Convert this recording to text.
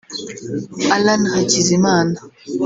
Allan Hakizimana